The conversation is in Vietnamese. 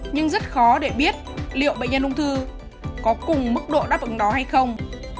nhưng rất khó để biết liệu bệnh nhân ung thư có cùng mức độ đáp ứng đó hay không